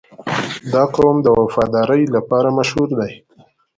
• دا قوم د وفادارۍ لپاره مشهور دی.